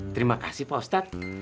terima kasih paustad